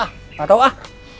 ah nggak tau ah